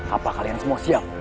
apa kalian semua siap